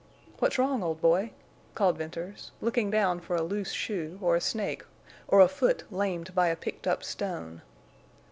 "What's wrong, old boy?" called Venters, looking down for a loose shoe or a snake or a foot lamed by a picked up stone.